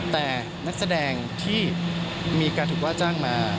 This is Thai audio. แต่นักแสดงที่มีการถูกว่าจ้างมา